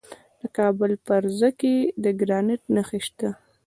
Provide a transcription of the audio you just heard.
د کابل په فرزه کې د ګرانیټ نښې شته.